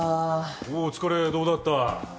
おっお疲れどうだった？